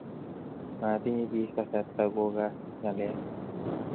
matinye pik kasrata ko kas ngalek